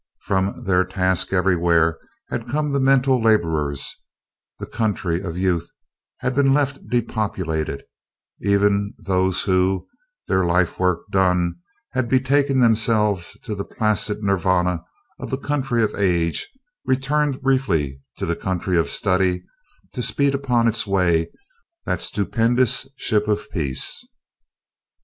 From their tasks everywhere had come the mental laborers; the Country of Youth had been left depopulated; even those who, their lifework done, had betaken themselves to the placid Nirvana of the Country of Age, returned briefly to the Country of Study to speed upon its way that stupendous Ship of Peace.